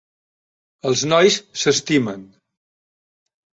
Els nois s'estimen.